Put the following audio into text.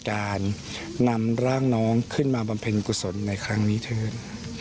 การนำร่างน้องขึ้นมาบำเพ็ญกุศลในครั้งนี้เถิด